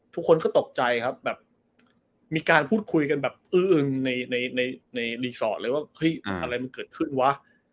ทุกคนก็ตกใจครับแบบมีการพูดคุยกันแบบอื้ออึงในในรีสอร์ทเลยว่าเฮ้ยอะไรมันเกิดขึ้นวะ